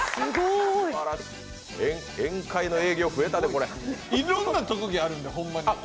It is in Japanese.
いろんな特技あるんで、ホンマに。